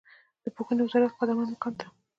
د پوهنې وزارت قدرمن مقام ته